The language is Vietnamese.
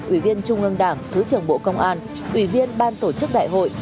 ủy viên trung ương đảng thứ trưởng bộ công an ủy viên ban tổ chức đại hội